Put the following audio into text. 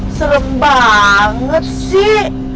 ih serem banget sih